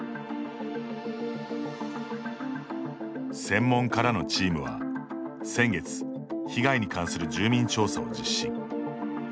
専門家らのチームは先月被害に関する住民調査を実施。